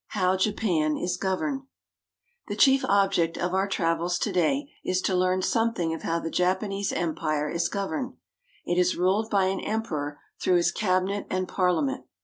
HOW JAPAN IS GOVERNED THE chief object of our travels to day is to learn some thing of how the Japanese Empire is governed. It is ruled by an Emperor through his Cabinet and Parliament.